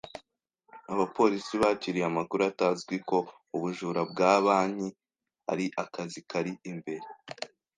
Abapolisi bakiriye amakuru atazwi ko ubujura bwa banki ari akazi kari imbere.